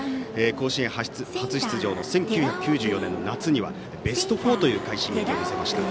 甲子園初出場の１９９４年夏にはベスト４という快進撃を見せました。